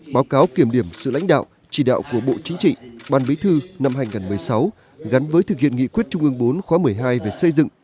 báo cáo kiểm điểm sự lãnh đạo chỉ đạo của bộ chính trị ban bí thư năm hai nghìn một mươi sáu gắn với thực hiện nghị quyết trung ương bốn khóa một mươi hai về xây dựng